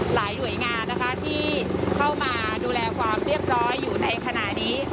หลายหน่วยงานนะคะที่เข้ามาดูแลความเรียบร้อยอยู่ในขณะนี้